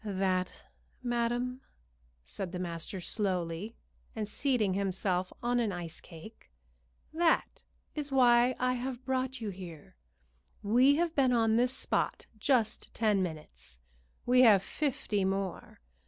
"That, madam," said the master slowly, and seating himself on an ice cake "that is why I have brought you here. We have been on this spot just ten minutes; we have fifty more.